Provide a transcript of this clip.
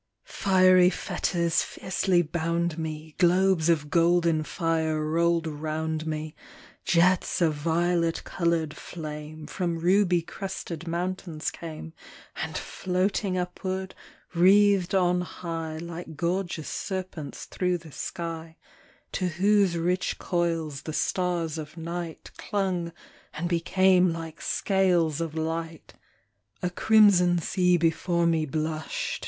Fiery fetters fiercely bound me, Globes of golden fire rolled round me, Jets of violet colored flame From ruby crested mountains came, And, floating upward, wreathed on high Like gorgeous serpents through the sky, To whose rich coils the stars of night Clung and became like scales of light ; A crimson sea before me blushed.